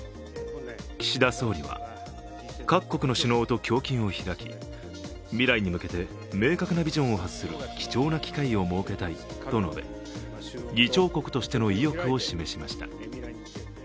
岸田総理は、各国の首脳と胸襟を開き未来に向けて明確なビジョンを発する貴重な機会を設けたいと述べ議長国としての意欲を示しました。